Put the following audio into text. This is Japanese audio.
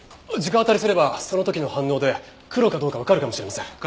直当たりすればその時の反応でクロかどうかわかるかもしれません。